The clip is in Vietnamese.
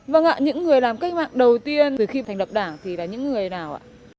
vâng ạ những người làm cách mạng đầu tiên từ khi thành lập đảng thì là những người nào ạ